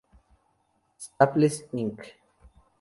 Staples Inc.